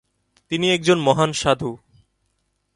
তিনি একজন মহান সাধু।